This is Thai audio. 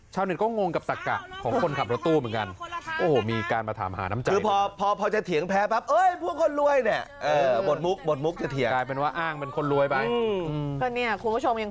หนึ่งก็งงกับตักกะของคนขับรถตู้เหมือนกัน